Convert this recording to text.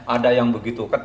ada yang begitu ketat